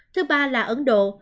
thứ ba là ấn độ